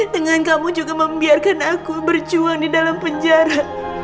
dengan kamu juga membiarkan aku berjuang di dalam penjara